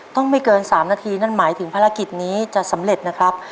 ไม่เกิน๓นาทีนั่นหมายถึงภารกิจนี้จะสำเร็จนะครับ